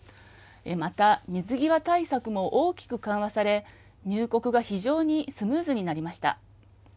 また、水際対策も大きく緩和され、入国が非常にスムーズになりました。